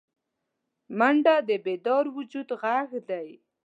منډه د بیدار وجود غږ دی